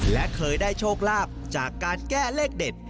และเคยได้โชคลาภจากการแก้เลขเด็ด